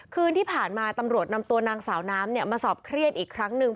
คืนที่ผ่านมาตำรวจนำตัวนางสาวน้ำมาสอบเครียดอีกครั้งหนึ่ง